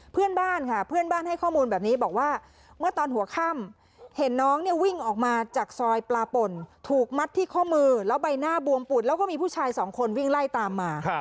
เพื่อนบ้านค่ะเพื่อนบ้านให้ข้อมูลแบบนี้บอกว่าเมื่อตอนหัวค่ำเห็นน้องเนี่ยวิ่งออกมาจากซอยปลาป่นถูกมัดที่ข้อมือแล้วใบหน้าบวมปูดแล้วก็มีผู้ชายสองคนวิ่งไล่ตามมา